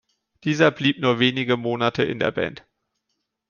Dieser blieb nur wenige Monate in der Band.